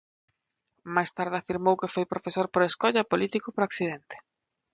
Máis tarde afirmou que foi "profesor por escolla e político por accidente".